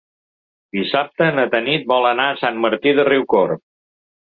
Dissabte na Tanit vol anar a Sant Martí de Riucorb.